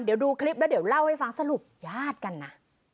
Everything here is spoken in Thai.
เดี๋ยวดูคลิปแล้วเดี๋ยวเล่าให้ฟังสรุปญาติกันนะ